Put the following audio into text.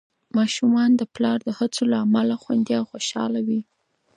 ماشومان د پلار د هڅو له امله خوندي او خوشحال وي.